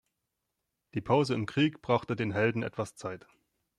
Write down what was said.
Die Pause im Krieg brachte den Helden etwas Zeit.